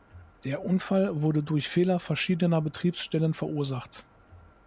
Der Unfall wurde durch Fehler verschiedener Betriebsstellen verursacht.